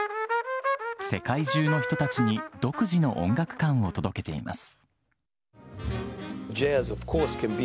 世界中の人たちに独自の音楽観を届けています。